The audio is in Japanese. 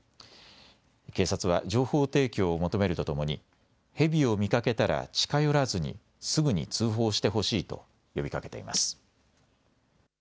警察は情報提供を求めるとともに、ヘビを見かけたら近寄らずに、すぐに通報してほしいと呼びかけています。